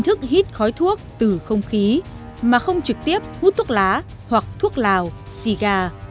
thức hít khói thuốc từ không khí mà không trực tiếp hút thuốc lá hoặc thuốc lào xì gà